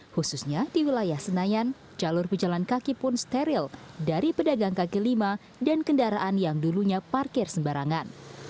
khususnya di wilayah senayan jalur pejalan kaki pun steril dari pedagang kaki lima dan kendaraan yang dulunya parkir sembarangan